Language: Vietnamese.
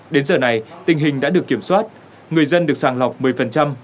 đến giờ này tình hình đã được kiểm soát người dân được sàng lọc một mươi